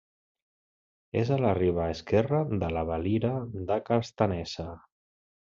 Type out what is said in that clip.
És a la riba esquerra de la Valira de Castanesa.